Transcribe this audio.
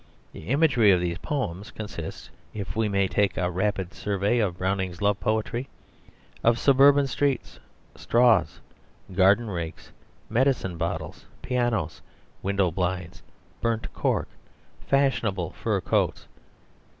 The imagery of these poems consists, if we may take a rapid survey of Browning's love poetry, of suburban streets, straws, garden rakes, medicine bottles, pianos, window blinds, burnt cork, fashionable fur coats.